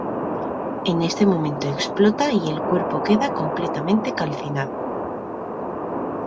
En ese momento explota y el cuerpo queda completamente calcinado.